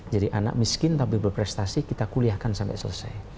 jadi anak miskin tapi berprestasi kita kuliahkan sampai selesai